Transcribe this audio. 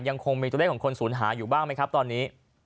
ยังคงมีตัวเลขของคนศูนย์หายอยู่บ้างไหมครับตอนนี้